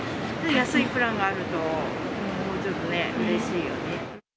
安いプランがあるともうちょっとね、うれしいよね。